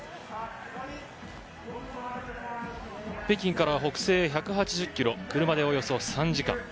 北京から北西１８０ｋｍ車でおよそ３時間。